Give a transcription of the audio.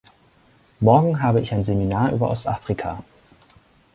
Morgen habe ich ein Seminar über Ostafrika.